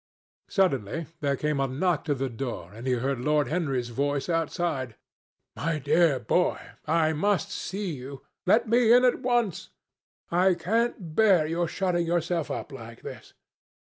Suddenly there came a knock to the door, and he heard Lord Henry's voice outside. "My dear boy, I must see you. Let me in at once. I can't bear your shutting yourself up like this."